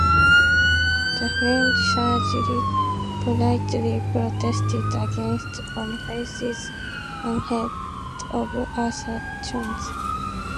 The French clergy politely protested against Boniface's "unheard-of assertions".